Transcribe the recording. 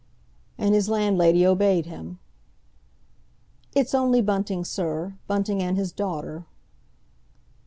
And his landlady obeyed him. "It's only Bunting, sir—Bunting and his daughter."